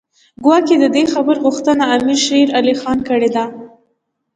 ګواکې د دې خبرو غوښتنه امیر شېر علي خان کړې ده.